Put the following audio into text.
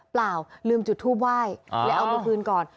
เปล่าลืมจุดทูปไหว้แล้วเอามาคืนก่อน